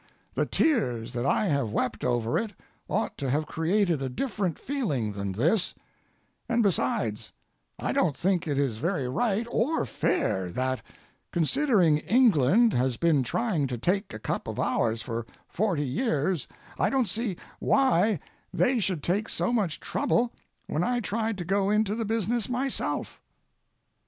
The tears that I have wept over it ought to have created a different feeling than this—and, besides, I don't think it is very right or fair that, considering England has been trying to take a cup of ours for forty years—I don't see why they should take so much trouble when I tried to go into the business myself.